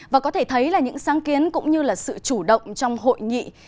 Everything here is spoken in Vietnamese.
và có thể thấy là những sáng kiến cũng như là sự chủ động trong hội nghị